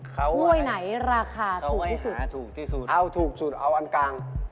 ถ้วยไหนราคาถูกที่สุดถูกที่สุดเอาถูกสุดเอาอันกลาง